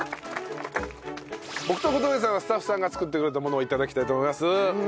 僕と小峠さんはスタッフさんが作ってくれたものを頂きたいと思います。